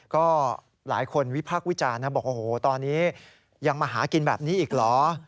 ก็หลายคนวิพากษ์วิจารณ์นะบอกโอ้โหตอนนี้ยังมาหากินแบบนี้อีกเหรอ